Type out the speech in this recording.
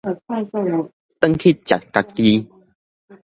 轉去食家己